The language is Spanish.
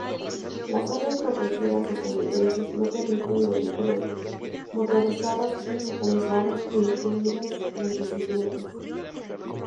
Las áreas protegidas estadounidenses no permiten vehículos motorizados y mecanizados, incluidas las bicicletas.